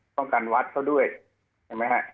ป้องกันวัดเขาด้วยใช่ไหมฮะ